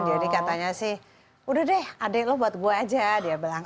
jadi katanya sih udah deh adek lo buat gue aja dia bilang